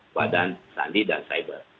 badan sandi dan cyber